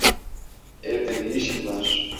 Evde ne işin var?